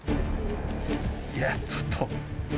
いやちょっと。